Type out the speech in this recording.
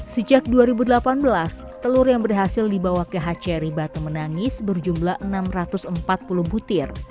sejak dua ribu delapan belas telur yang berhasil dibawa ke hcri batam menangis berjumlah enam ratus empat puluh butir